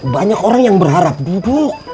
banyak orang yang berharap dulu